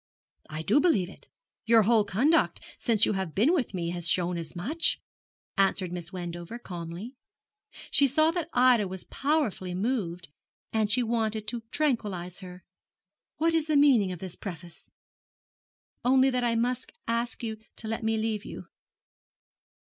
'I do believe it. Your whole conduct since you have been with me has shown as much,' answered Miss Wendover, calmly. She saw that Ida was powerfully moved, and she wanted to tranquillise her. 'What is the meaning of this preface?' 'Only that I must ask you to let me leave you.'